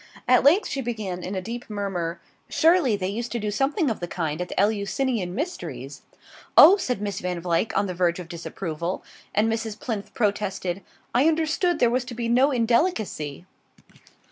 At length she began in a deep murmur: "Surely they used to do something of the kind at the Eleusinian mysteries " "Oh " said Miss Van Vluyck, on the verge of disapproval; and Mrs. Plinth protested: "I understood there was to be no indelicacy!"